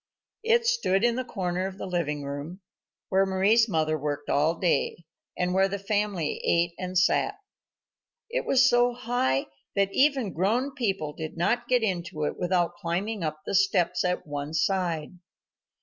It stood in the corner of the living room, where Mari's mother worked all day, and where the family ate and sat. It was so high that even grown people did not get into it without climbing up the steps at one side.